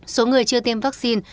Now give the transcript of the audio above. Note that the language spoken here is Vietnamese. số người chưa tiêm vaccine